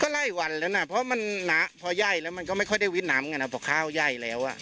ก็ไล่วันแล้วนะเพราะมันหนาพอไย่แล้วมันก็ไม่ค่อยได้วิดหนามกันนะเพราะข้าวไย่แล้วอะ